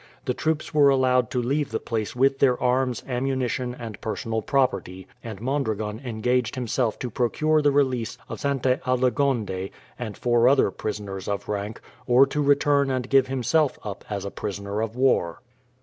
The troops were allowed to leave the place with their arms, ammunition, and personal property, and Mondragon engaged himself to procure the release of Sainte Aldegonde and four other prisoners of rank, or to return and give himself up as a prisoner of war.